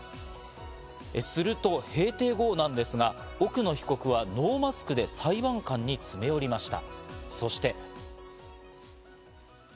すると閉廷後なんですが、奥野被告はノーマスクで裁判官に詰め寄りました。